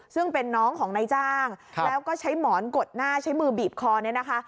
ซึ่งเป็นน้องของนายจ้างแล้วก็ใช้หมอนกดหน้าใช้มือบีบคอเนี่ยนะคะ